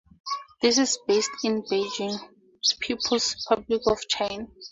It is based in Beijing, People's Republic of China.